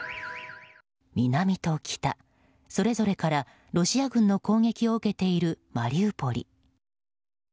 南と北、それぞれからロシア軍の攻撃を受けているマリウポリ。